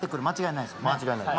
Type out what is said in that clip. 間違いないです。